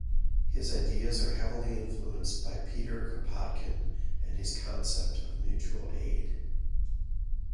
His ideas are heavily influenced by Peter Kropotkin and his concept of Mutual Aid.